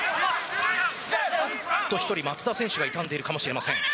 おっと１人、松田選手が痛んでいるかもしれません。